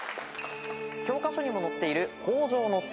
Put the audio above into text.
教科書にも載っている『荒城の月』